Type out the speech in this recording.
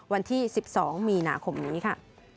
ในวัน๑๒มีนาคมนี้ค่ะ